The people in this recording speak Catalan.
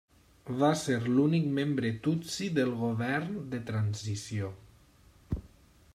Va ser l'únic membre tutsi del govern de transició.